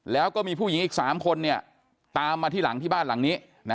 แล้วก็มีผู้หญิงอีก๓คนตามมาที่หลังที่บ้านหลังนี้